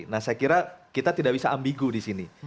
nah saya kira kita tidak bisa ambigu di sini